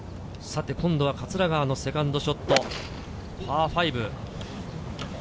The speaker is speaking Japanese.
桂川のセカンドショット、パー５。